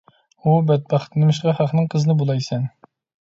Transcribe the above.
ھۇ بەتبەخت، نېمىشقا خەقنىڭ قىزىنى بۇلايسەن؟